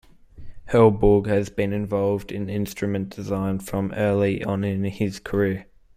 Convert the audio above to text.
Hellborg has been involved in instrument design from early on in his career.